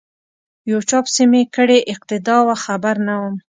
یو چا پسی می کړې اقتدا وه خبر نه وم